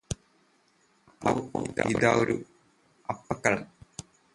അപ്പോ ഇതാ ഒരു അപ്പക്കള്ളന്